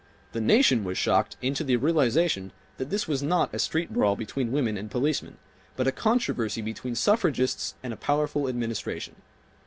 The nation was shocked into the realization that this was not a street brawl between women and policemen, but a controversy between suffragists and a powerful Administration.